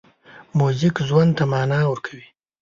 موزیک ژوند ته مانا ورکوي.